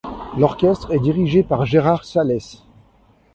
L'orchestre est dirigé par Gérard Salesses.